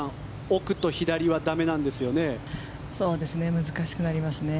奥と左は駄目なんですよね。